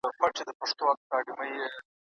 نن مي شیخ د میخانې پر لاري ولید